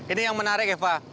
ini yang menarik eva